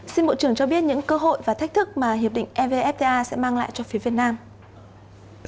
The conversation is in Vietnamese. xin bộ trưởng cho biết những cơ hội và thách thức mà hiệp định evfta sẽ mang lại cho phía việt nam